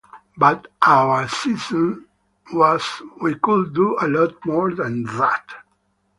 But our sense was, we could do a lot more than that.